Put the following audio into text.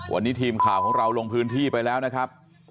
วันนี้ทีมข่าวของเราลงพื้นที่ไปแล้วนะครับ